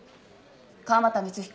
川俣光彦。